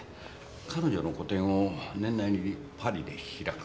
彼女の個展を年内にパリで開く。